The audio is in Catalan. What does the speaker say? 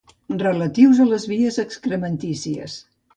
Relatius a les vies excrementícies.